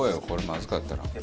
これまずかったら。